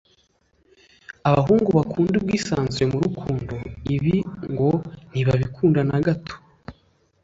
abahungu bakunda ubwisanzure mu rukundo ibi ngo ntibabikunda na gato